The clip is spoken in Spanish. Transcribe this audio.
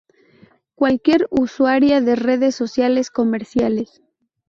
cualquier usuaria de redes sociales comerciales